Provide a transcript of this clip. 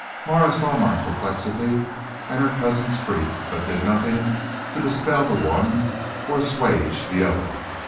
"Marah saw my perplexity and her cousin's grief, but did nothing to dispel the one or assuage the other.